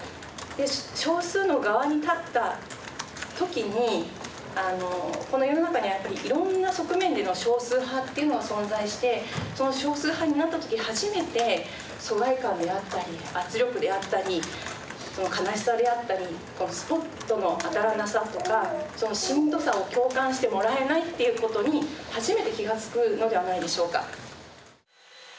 少数の側に立った時にこの世の中にはいろんな側面での少数派っていうのが存在してその少数派になった時初めて疎外感であったり圧力であったりその悲しさであったりスポットの当たらなさとかそのしんどさを共感してもらえないということに初めて気が付くのではないでしょうか。